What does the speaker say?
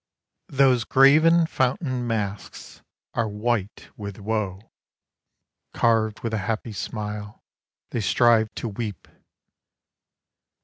Those graven fountain masks are white with woe ! Carved with a happy smile They strive to weep